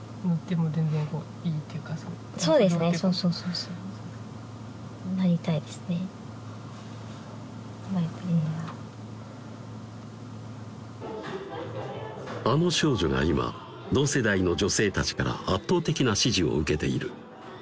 そうそうそうあの少女が今同世代の女性たちから圧倒的な支持を受けている